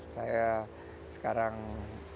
saya sekarang punya dua anak